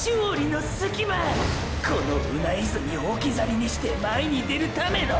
このうな泉を置き去りにして前に出るための！！